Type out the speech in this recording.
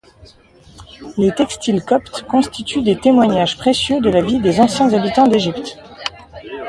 Les textiles coptes constituent des témoignages précieux de la vie des anciens habitants d'Égypte.